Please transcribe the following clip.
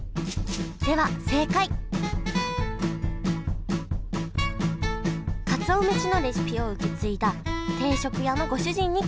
では正解かつお飯のレシピを受け継いだ定食屋のご主人に聞いてみます